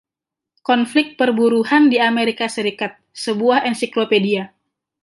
"Konflik perburuhan di Amerika Serikat", Sebuah ensiklopedia.